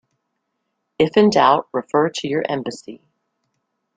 If in doubt, refer to your Embassy.